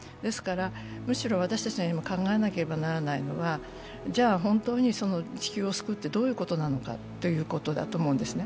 むしろ私たちが考えなければならないことはじゃあ本当に地球を救うってどういうことなのかってことだと思うんですね。